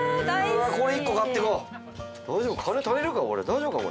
大丈夫か？